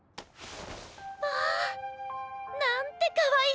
まあなんてかわいいの！